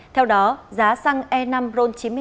theo đó giá xăng e năm ron chín mươi hai